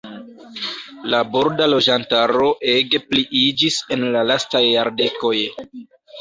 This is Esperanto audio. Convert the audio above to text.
La borda loĝantaro ege pliiĝis en la lastaj jardekoj.